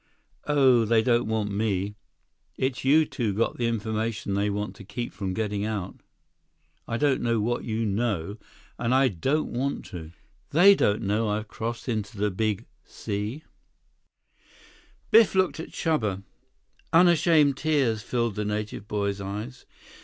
"Oh, they don't want me. It's you two got the information they want to keep from getting out. I don't know what you know, and I don't want to. They don't know I've crossed into the big 'C.'" Biff looked at Chuba. Unashamed tears filled the native boy's eyes.